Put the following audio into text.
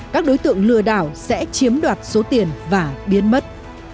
các đối tượng lừa đảo sẽ chiếm đoạt số tiền và biến mất